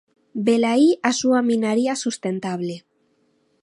Velaí a súa minaría sustentable!